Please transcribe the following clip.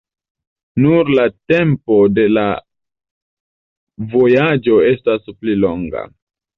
Nur la tempo de la vojaĝo estas pli longa.